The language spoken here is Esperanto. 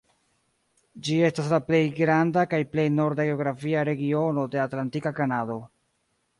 Ĝi estas la plej granda kaj plej norda geografia regiono de Atlantika Kanado.